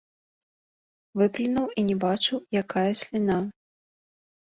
Выплюнуў і не бачыў, якая сліна.